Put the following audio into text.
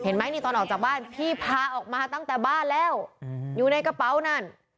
เห็นไหมนี่ตอนออกจากบ้านพี่พาออกมาตั้งแต่บ้านแล้วอยู่ในกระเป๋านั่น